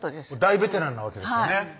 大ベテランなわけですよね